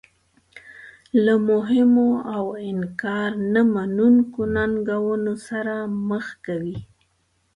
له مهمو او انکار نه منونکو ننګونو سره مخ کوي.